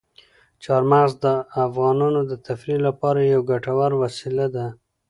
چار مغز د افغانانو د تفریح لپاره یوه ګټوره وسیله ده.